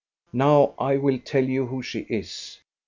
" Now I will tell you who she is.